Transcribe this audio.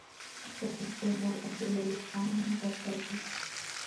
شهید جنرال عبدالعلي خان وردگ